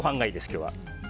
今日は。